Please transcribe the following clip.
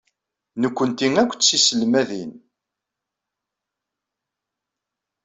Nekkenti akk d tiselmadin.